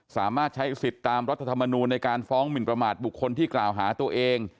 สามารถใช้สิทธิ์ตามรัฐธรรมนูลในการฟ้องหมินประมาทบุคคลที่กล่าวหาตัวเอง